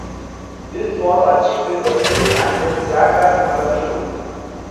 This was achieved in the film and in "Jackass Number Two".